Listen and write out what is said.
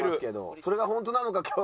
それがホントなのか今日。